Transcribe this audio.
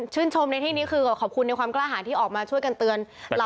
ชมในที่นี้คือขอบคุณในความกล้าหาที่ออกมาช่วยกันเตือน